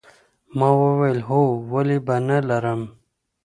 ما وویل هو ولې به نه لرم